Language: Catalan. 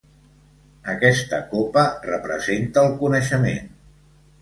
Aquesta copa representa el coneixement.